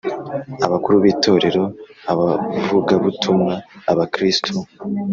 Abakuru b itorero abavugabutumwa abakristo